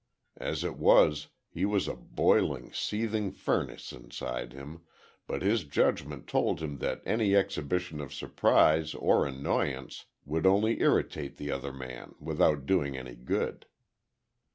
As it was, he was a boiling, seething furnace inside him, but his judgment told him that any exhibition of surprise or annoyance would only irritate the other man without doing any good.